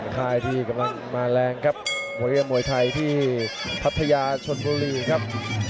กำลังแรงครับวอเรียร์มวยไทยที่ภัพทโชนโบรีครับ